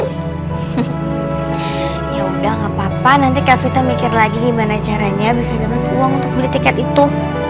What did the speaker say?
hehehe yaudah gapapa nanti kak vita mikir lagi gimana caranya bisa dapat uang untuk beli tiket itu